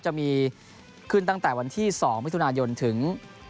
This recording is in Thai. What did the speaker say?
จะมีขึ้นตั้งแต่วันที่๒มิถุนายนถึง